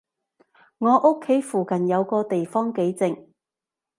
我屋企附近有個地方幾靜